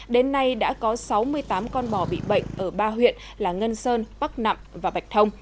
đến nay đã có sáu mươi tám con bò bị bệnh ở ba huyện là ngân sơn bắc nặng và bạch thông